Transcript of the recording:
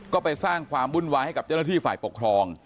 ก็ไปสร้างความวุ่นวายให้กับเจ้าหน้าที่ฝ่ายปกครอง